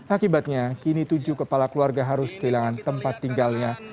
akibatnya kini tujuh kepala keluarga harus kehilangan tempat tinggalnya